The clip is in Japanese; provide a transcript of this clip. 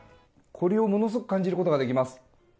ものすごく感じることができます。